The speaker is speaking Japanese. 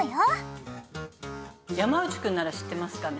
山内くんなら知ってますかね？